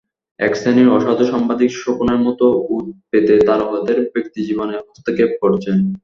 একশ্রেণীর অসাধু সাংবাদিক শকুনের মতো ওঁত পেতে তারকাদের ব্যক্তিজীবনে হস্তক্ষেপ করছেন।